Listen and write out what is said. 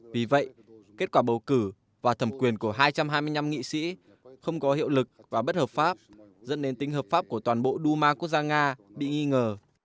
vì vậy kết quả bầu cử và thẩm quyền của hai trăm hai mươi năm nghị sĩ không có hiệu lực và bất hợp pháp dẫn đến tính hợp pháp của toàn bộ duma quốc gia nga bị nghi ngờ